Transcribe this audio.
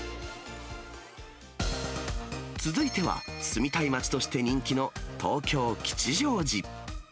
続いては、住みたい町として人気の東京・吉祥寺。